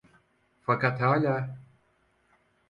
Fakat hala.